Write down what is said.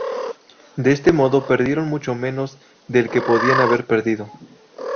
De este modo perdieron mucho menos del que podían haber perdido.